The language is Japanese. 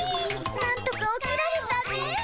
なんとか起きられたね。